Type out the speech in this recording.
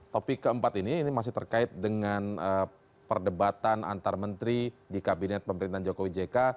topik keempat ini ini masih terkait dengan perdebatan antar menteri di kabinet pemerintahan jokowi jk